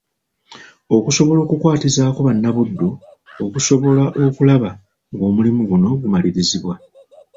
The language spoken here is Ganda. Okusobola okukwatizaako bannabuddu okusobola okulaba ng'omulimu guno gumalirizibwa.